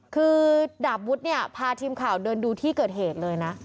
คือดาบวุฒิเนี่ยพาทีมข่าวเดินดูที่เกิดเหตุเลยนะ